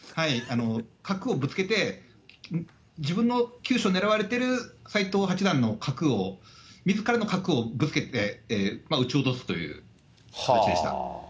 角をぶつけて、自分の急所を狙われている斎藤八段の角を、みずからの角をぶつけて撃ち落とすという形でした。